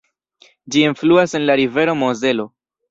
Ĝi enfluas en la rivero Mozelo.